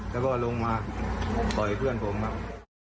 แล้วก็ลงมาต่อยเพื่อนผมครับ